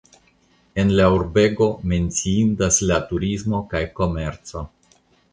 En la urbego menciindas la turismo kaj komerco.